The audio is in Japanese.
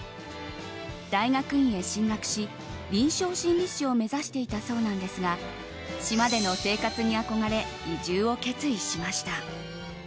大学院へ進学し、臨床心理士を目指していたそうなんですが島での生活に憧れ移住を決意しました。